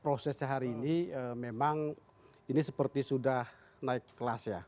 prosesnya hari ini memang ini seperti sudah naik kelas ya